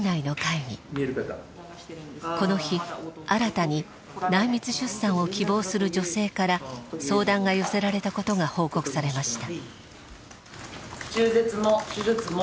この日新たに内密出産を希望する女性から相談が寄せられたことが報告されました。